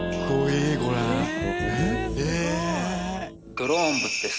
ドローン仏です。